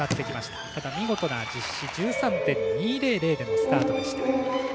ただ、見事な実施。１３．２００でのスタートでした。